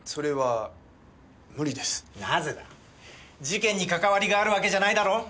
事件にかかわりがあるわけじゃないだろう？